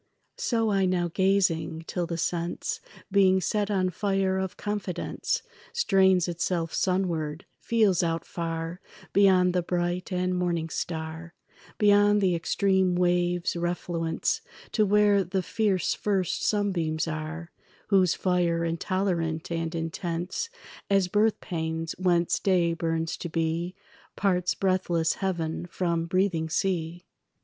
So I now gazing; till the sense Being set on fire of confidence Strains itself sunward, feels out far Beyond the bright and morning star, Beyond the extreme wave's refluence, To where the fierce first sunbeams are Whose fire intolerant and intense As birthpangs whence day burns to be Parts breathless heaven from breathing sea.